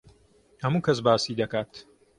هەموو کەس باسی دەکات.